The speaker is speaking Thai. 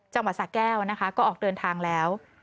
จังหวัดสะแก้วนะคะก็ออกเดินทางแล้ว